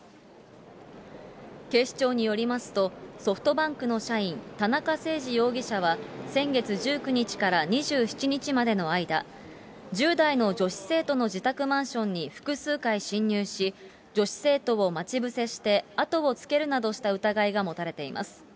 警視庁によりますと、ソフトバンクの社員、田中誠司容疑者は、先月１９日から２７日までの間、１０代の女子生徒の自宅マンションに複数回侵入し、女子生徒を待ち伏せして後をつけるなどした疑いが持たれています。